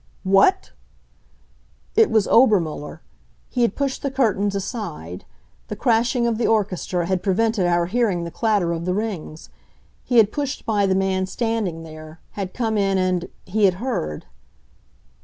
"What!" It was Obermuller. He had pushed the curtains aside; the crashing of the orchestra had prevented our hearing the clatter of the rings. He had pushed by the man standing there, had come in and he had heard.